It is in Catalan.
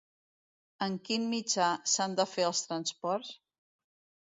En quin mitjà s'han de fer els transports?